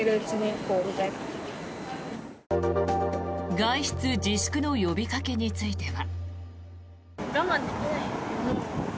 外出自粛の呼びかけについては。